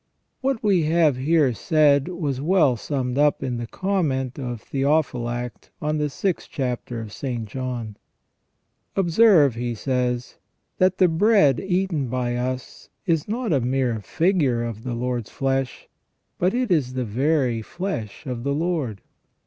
24 370 THE REGENERATION OF MAN. What we have here said was well summed up in the Comment of Theophylact on the 6th chapter of St. John :" Observe," he says, "that the bread eaten by us is not a mere figure of the Lord's flesh, but it is the very flesh of the Lord.